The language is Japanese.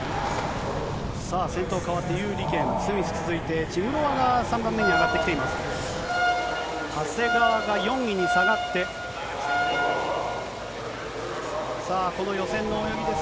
さあ、先頭代わって兪李ケン、スミス続いて、チムロワが３番目に上がってきています。